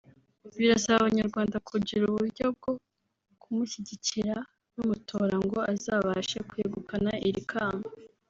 birasaba Abanyarwanda kugira uburyo bwo kumushyigikira bamutora ngo azabashe kwegukana iri kamba